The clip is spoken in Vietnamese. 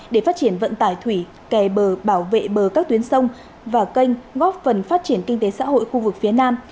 để phát triển vận tải thủy kè bờ bảo vệ bờ các tuyến sông và canh góp phần phát triển kinh tế xã hội khu vực phía nam